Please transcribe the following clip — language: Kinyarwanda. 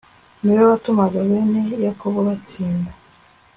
ni wowe watumaga bene yakobo batsinda